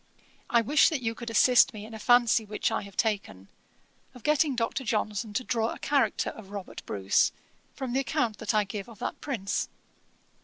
I wish that you could assist me in a fancy which I have taken, of getting Dr. Johnson to draw a character of Robert Bruce, from the account that I give of that prince.